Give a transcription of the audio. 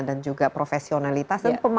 dan juga profesionalitas dan pemahaman